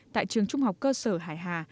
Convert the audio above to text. tại trường trung học cơ sở hải hà